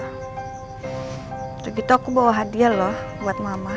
terus gitu aku bawa hadiah loh buat mama